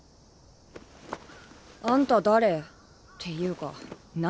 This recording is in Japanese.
あんた誰？っていうか何？